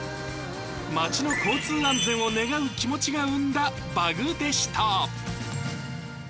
街の交通安全を願う気持ちが生んだバグでした。